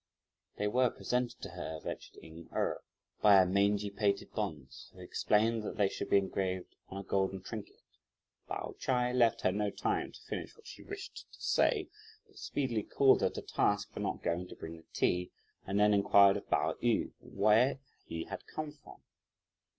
"They were presented to her," ventured Ying Erh, "by a mangy pated bonze, who explained that they should be engraved on a golden trinket...." Pao Ch'ai left her no time to finish what she wished to say, but speedily called her to task for not going to bring the tea, and then inquired of Pao yü "Where he had come from?"